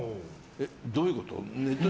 どういうこと？